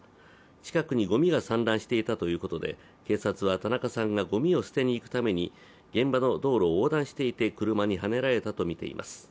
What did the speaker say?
近くにごみが散乱していたということで警察は田中さんがごみを捨てにいくために現場の道路を横断していて車にはねられたとみています。